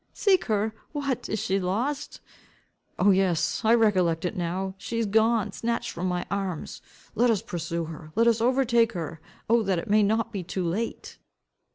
"Seek her! What! is she lost? Oh, yes, I recollect it now; she is gone, snatched from my arms. Let us pursue her! Let us overtake her Oh that it may not be too late."